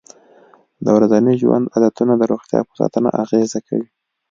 د ورځني ژوند عادتونه د روغتیا په ساتنه اغېزه کوي.